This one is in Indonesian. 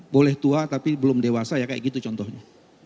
boleh tua tapi belum dewasa ya kayak gitu contohnya